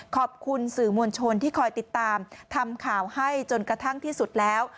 ขอบคุณสื่อมวลชนที่คอยติดตามทำข่าวให้จนกระทั่งที่สุดแล้ว